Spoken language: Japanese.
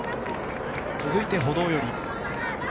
続いて、歩道寄り。